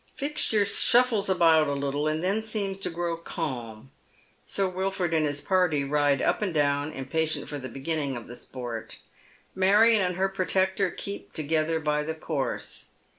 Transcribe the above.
Fixture shuffles about a little, and then seems to grow calm. Sir Wilford and his party ride up and down, impatient for the beginning of the sport. Marion and her protector keep together by the course.